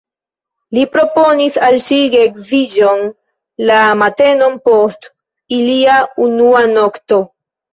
Li proponis al ŝi geedziĝon la matenon post ilia unua nokto.